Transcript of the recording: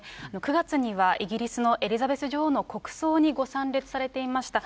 ９月にはイギリスのエリザベス女王の国葬にご参列されていました。